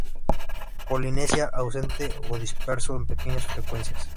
Polinesia: Ausente o disperso en pequeñas frecuencias.